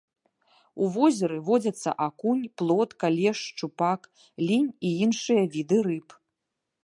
У возеры водзяцца акунь, плотка, лешч, шчупак, лінь і іншыя віды рыб.